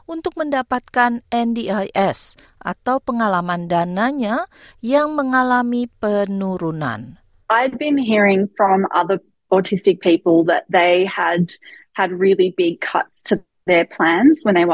untuk mendapatkan ndis atau pengalaman dananya yang mengalami penurunan